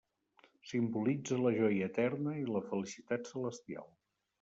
Simbolitza la joia eterna i la felicitat celestial.